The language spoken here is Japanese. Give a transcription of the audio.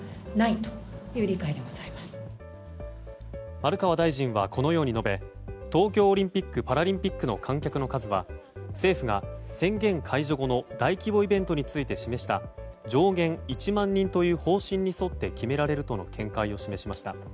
丸川大臣はこのように述べ東京オリンピック・パラリンピックの観客の数は政府が宣言解除後の大規模イベントについて示した上限１万人という方針に沿って決められるとの見解を示しました。